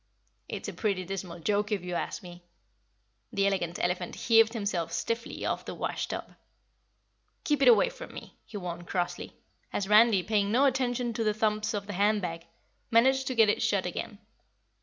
"It's a pretty dismal joke, if you ask me." The Elegant Elephant heaved himself stiffly off the wash tub. "Keep it away from me!" he warned crossly, as Randy, paying no attention to the thumps of the hand bag, managed to get it shut again.